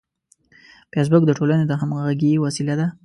فېسبوک د ټولنې د همغږۍ وسیله ده